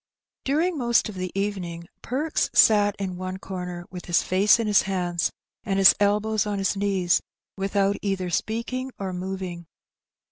Daring most of the evening Perks sat in one corner^ with his face in his hands^ and his elbows on his knees^ without either speaking or moving.